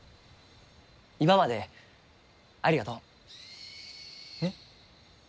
今までありがとう。えっ。